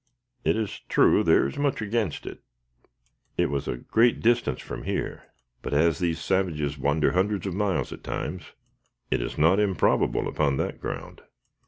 "It is true there is much against it. It was a great distance from here, but as these savages wander hundreds of miles at times, it is not improbable, upon that ground.